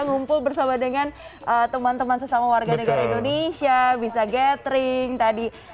ngumpul bersama dengan teman teman sesama warga negara indonesia bisa gathering tadi